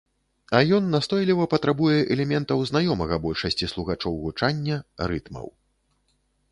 А ён настойліва патрабуе элементаў знаёмага большасці слухачоў гучання, рытмаў.